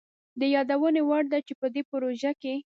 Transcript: د يادوني وړ ده چي په دې پروژه کي